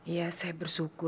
iya saya bersyukur